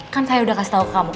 kan saya udah kasih tau ke kamu